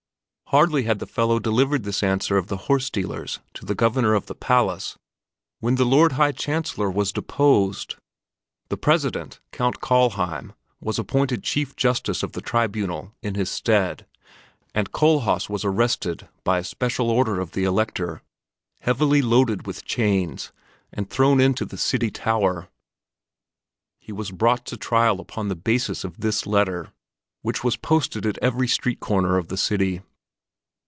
Hardly had the fellow delivered this answer of the horse dealer's to the Governor of the Palace when the Lord High Chancellor was deposed, the President, Count Kallheim, was appointed Chief Justice of the Tribunal in his stead, and Kohlhaas was arrested by a special order of the Elector, heavily loaded with chains, and thrown into the city tower. He was brought to trial upon the basis of this letter, which was posted at every street corner of the city.